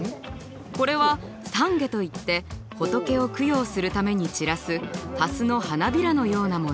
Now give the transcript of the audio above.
これは散華といって仏を供養するために散らすはすの花びらのようなもの。